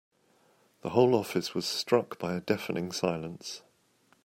The whole office was struck by a deafening silence.